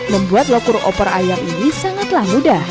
membuat lokur opor ayam ini sangatlah mudah